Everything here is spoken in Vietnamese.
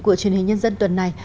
của truyền hình nhân dân tuần này